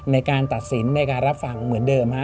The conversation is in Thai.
ในการตัดสินในการรับฟังเหมือนเดิมฮะ